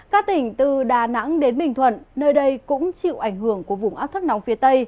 các tỉnh từ đà nẵng đến bình thuận nơi đây cũng chịu ảnh hưởng của vùng áp thấp nóng phía tây